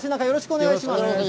よろしくお願いします。